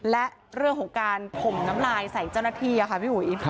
และเรื่องของการถมน้ำลายใส่เจ้าหน้าที่ค่ะพี่อุ๋ย